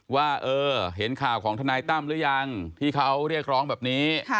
ว่าเห็นข่าวของทนายตั้มหรือยังที่เขาเรียกร้องแบบนี้